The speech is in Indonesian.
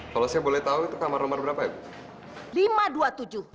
kalau saya boleh tahu itu kamar nomor berapa ya bu